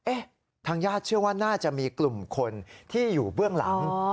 ทางญาติเชื่อว่าน่าจะมีกลุ่มคนที่อยู่เบื้องหลัง